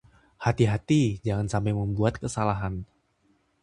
Hati-hati jangan sampai membuat kesalahan.